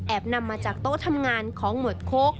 นำมาจากโต๊ะทำงานของหมวดโค้ก